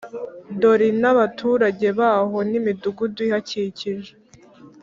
Dori n’abaturage baho n’imidugudu ihakikije,